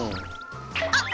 あ！